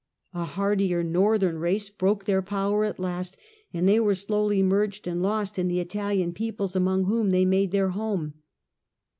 A hardier northern race broke their power at last, and they were slowly merged and lost in the Italian peoples among whom they had made their home.